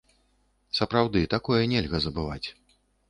Сапраўды, такое нельга забываць.